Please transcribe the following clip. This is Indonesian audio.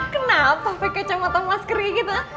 kenapa pakai kacamata maskernya gitu